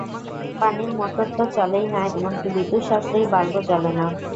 পানির মোটর তো চলেই না, এমনকি বিদ্যুৎ সাশ্রয়ী বাল্বও জ্বলে না।